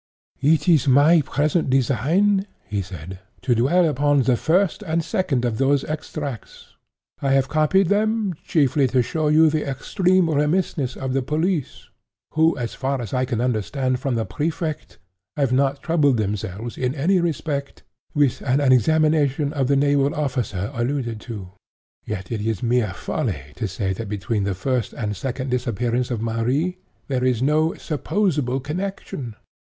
"It is not my present design," he said, "to dwell upon the first and second of those extracts. I have copied them chiefly to show you the extreme remissness of the police, who, as far as I can understand from the Prefect, have not troubled themselves, in any respect, with an examination of the naval officer alluded to. Yet it is mere folly to say that between the first and second disappearance of Marie there is no supposable connection.